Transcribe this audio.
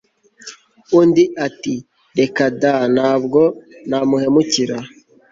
Undi ati « reka da Ntabwo namuhemukira »